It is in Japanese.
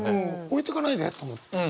置いてかないでと思った。